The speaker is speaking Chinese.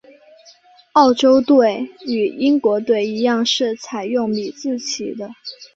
澳洲队与英国队一样是采用米字旗的。